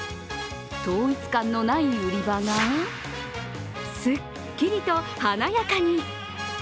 統一感のない売り場がすっきりと華やかに！